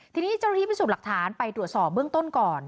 ทีนี้เจ้าหน้าที่พิสูจน์หลักฐานไปตรวจสอบเบื้องต้นก่อน